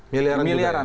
miliaran juga ya